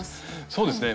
そうですね。